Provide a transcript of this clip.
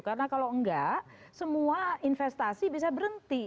kalau tidak semua investasi bisa berhenti